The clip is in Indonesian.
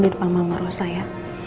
didepan mama rosa ya